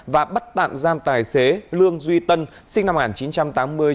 và bắt tạm giam tài xế lương duy tân sinh năm một nghìn chín trăm tám mươi